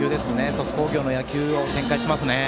鳥栖工業の野球を展開してますね。